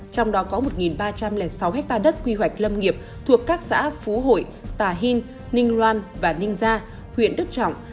trong đó có một ba trăm linh sáu ha đất quy hoạch lâm nghiệp thuộc các xã phú hội tà hìn ninh loan và ninh gia huyện đức trọng